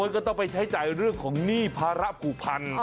ก็ต้องไปใช้จ่ายเรื่องของหนี้ภาระผูกพัน